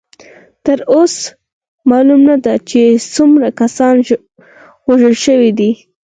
تر اوسه معلومه نه ده چې څومره کسان وژل شوي دي.